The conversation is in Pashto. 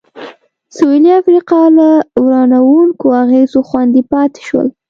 سوېلي افریقا له ورانوونکو اغېزو خوندي پاتې شول.